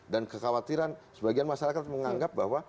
dan kekhawatiran sebagian masyarakat menganggap bahwa